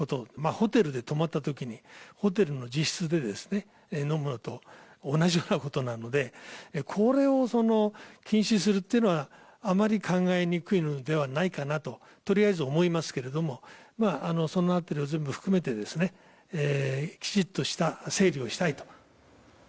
ホテルで泊まった時にホテルの自室で飲むのと同じようなことなのでこれを禁止するというのはあまり考えにくいのではないかなととりあえず思いますけれどもその辺りも含めてきちっとした整理をしたいと。